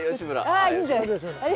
ああいいんじゃない？